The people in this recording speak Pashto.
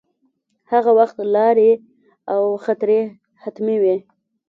هغه وخت لارې او خطرې حتمې وې.